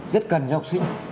rất cần cho học sinh